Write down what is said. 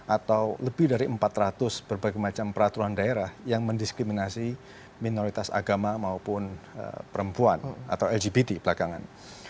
seribu sembilan ratus enam puluh lima atau lebih dari empat ratus berbagai macam peraturan daerah yang mendiskriminasi minoritas agama maupun perempuan atau lgbt belakangan